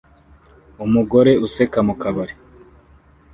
Umugore useka mu kabari